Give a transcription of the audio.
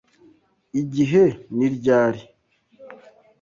Igihe ni ryari?